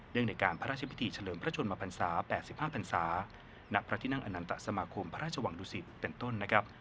เนื่องในการพระราชพิธีเฉลิมพระชนมพันศา๘๕พันศานับพระทินั่งอนัมตสมาคมพระราชวังดุสิตเป็นต้น